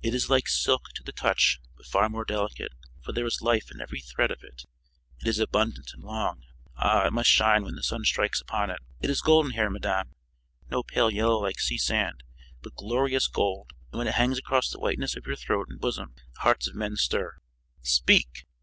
"It is like silk to the touch, but far more delicate, for there is life in every thread of it. It is abundant and long. Ah, it must shine when the sun strikes upon it! It is golden hair, madame, no pale yellow like sea sand, but glorious gold, and when it hangs across the whiteness of your throat and bosom the hearts of men stir. Speak!